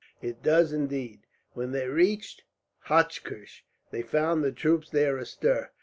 "It does indeed." When they reached Hochkirch they found the troops there astir.